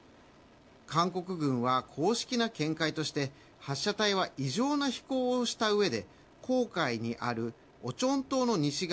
韓国軍は公式な見解として発射体は異常な飛行をしたうえで黄海にあるオチョン島の西側